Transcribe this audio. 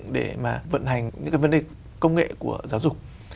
để mà vận hành những cái vấn đề công nghệ của giáo dục